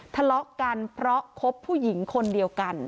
ทะเลาะกันเพราะคบผู้หญิงคนเดียวกัน